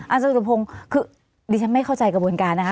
สรุปพงศ์คือดิฉันไม่เข้าใจกระบวนการนะคะ